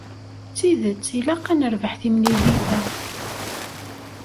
D tidet ilaq ad nerbeḥ timlilit-a.